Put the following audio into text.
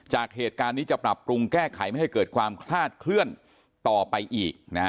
จากเหตุการณ์นี้จะปรับปรุงแก้ไขไม่ให้เกิดความคลาดเคลื่อนต่อไปอีก